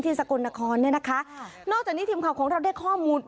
สกลนครเนี่ยนะคะนอกจากนี้ทีมข่าวของเราได้ข้อมูล